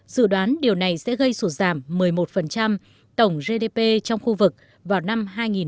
dự đoán điều này sẽ gây sụt giảm một mươi một tổng gdp trong khu vực vào năm hai nghìn một trăm linh